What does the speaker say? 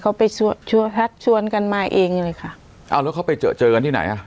เขาไปชวนทักชวนกันมาเองเลยค่ะอ้าวแล้วเขาไปเจอเจอกันที่ไหนอ่ะ